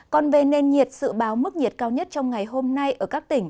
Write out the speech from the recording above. còn về nền nhiệt dự báo mức nhiệt cao nhất trong ngày hôm nay ở các tỉnh